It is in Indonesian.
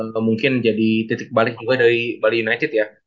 kemungkin jadi titik balik juga dari bali united ya